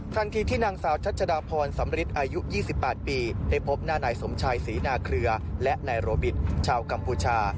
ทันทีที่นางสาวชัชดาพรสำริทอายุ๒๘ปีได้พบหน้านายสมชายศรีนาเครือและนายโรบิตชาวกัมพูชา